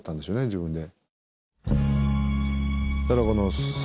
自分で。